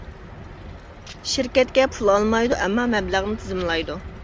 شىركەتكە پۇل ئالمايدۇ ئەمما مەبلەغنى تىزىملايدۇ.